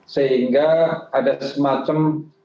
sehingga ada semacam